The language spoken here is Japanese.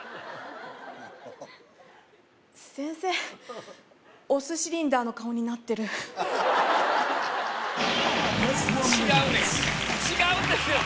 先生オスシリンダーの顔になってる違うねん違うんですよ